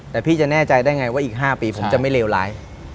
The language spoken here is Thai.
แต่พี่จะแน่ใจได้ไงว่าอีก๕ปีผมจะไม่เลวร้าย